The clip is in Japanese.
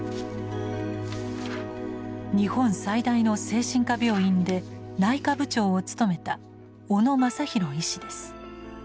日本最大の精神科病院で内科部長を務めた小野正博医師です。